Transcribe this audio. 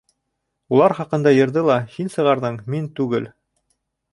Улар хаҡында йырҙы ла һин сығарҙың, мин түгел.